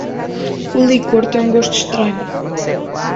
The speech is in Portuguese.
O licor tem um gosto estranho.